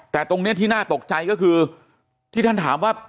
แต่ตรงนี้ที่น่าตกใจก็คือที่ท่านถามว่า